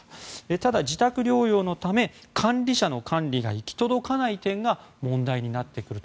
ただ、自宅療養のため管理者の管理が行き届かない点が問題になってくると。